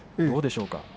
どうでしょうか。